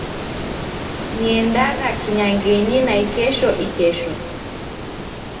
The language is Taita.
Niendagha kinyangenyi naikesho ikesho.